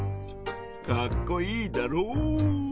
かっこいいだろう？